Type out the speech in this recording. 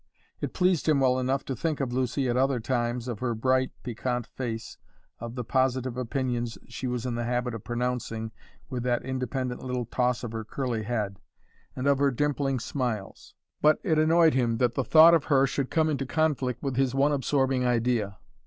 It pleased him well enough to think of Lucy at other times, of her bright, piquant face, of the positive opinions she was in the habit of pronouncing with that independent little toss of her curly head, and of her dimpling smiles. But it annoyed him that the thought of her should come into conflict with his one absorbing idea.